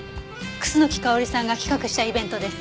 楠木香織さんが企画したイベントです。